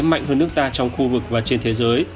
mạnh hơn nước ta trong khu vực và trên thế giới